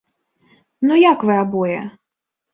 Ну як вы абое?